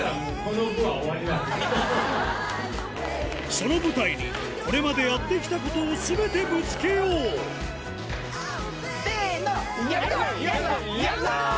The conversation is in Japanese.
その舞台にこれまでやってきたことを全てぶつけよう！せの。